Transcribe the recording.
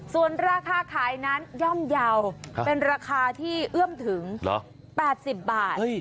ส่วนราคาขายนั้นย่อมเยาว์เป็นราคาที่เอื้อมถึง๘๐บาท